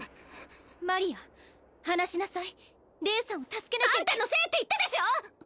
マリア離しなさいレイさんを助けなきゃあんたのせいって言ったでしょ！